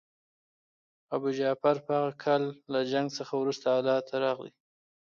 ابوجعفر په هغه کال له جنګ څخه وروسته علي ته راغی.